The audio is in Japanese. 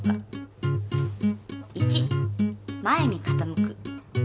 １前に傾く。